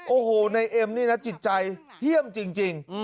โอ้โหในเอ็มนี่นะจิตใจเที่ยมจริง